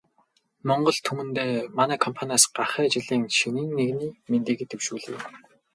Монгол түмэндээ манай компаниас гахай жилийн шинийн нэгний мэндийг дэвшүүлье.